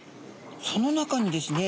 その中にですね